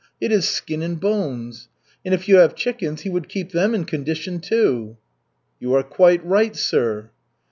It is skin and bones. And if you have chickens, He would keep them in condition, too." "You are quite right, sir."